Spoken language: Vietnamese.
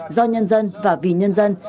do nhân dân và vì nhân dân